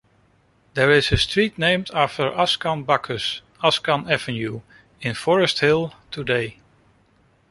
There is a street named after Ascan Bakus, Ascan Avenue, in Forest Hills today.